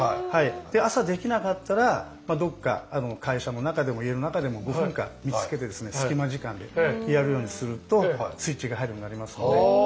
朝できなかったらどこか会社の中でも家の中でも５分間見つけて隙間時間でやるようにするとスイッチが入るようになりますので。